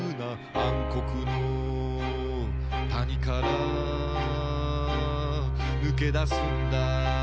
「暗黒の谷から脱けだすんだ」